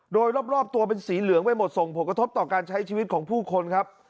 โดยรอบตัวเป็นสีเหลืองไปหมดส่งผลกระทบต่อการใช้ชีวิตของผู้คนครับ